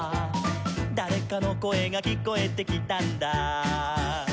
「だれかのこえがきこえてきたんだ」